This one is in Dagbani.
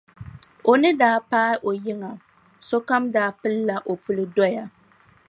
O ni daa paai o yiŋa sokam daa pilla o puli doya.